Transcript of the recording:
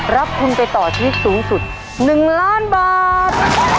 รับทุนไปต่อชีวิตสูงสุด๑ล้านบาท